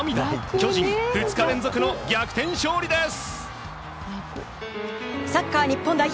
巨人、２日連続の逆転勝利です！